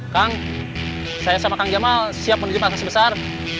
kang saya sama kang jamal siap menuju pasang sebesar